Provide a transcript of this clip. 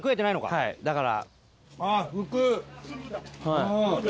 はいだから。